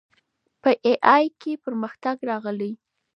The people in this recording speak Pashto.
په اې ای کې پرمختګ راغلی.